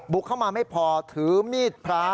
เข้ามาไม่พอถือมีดพระ